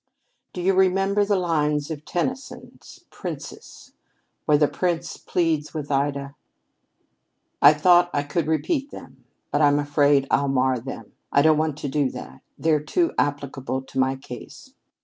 "Do you remember the lines from Tennyson's 'Princess' where the Prince pleads with Ida? I thought I could repeat them, but I'm afraid I'll mar them. I don't want to do that; they're too applicable to my case."